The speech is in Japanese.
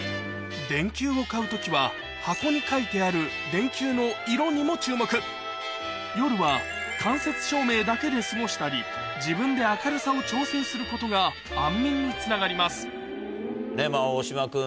電球を買う時は箱に書いてある電球の色にも注目夜は間接照明だけで過ごしたり自分で明るさを調整することが安眠につながります大島君